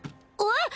えっ！？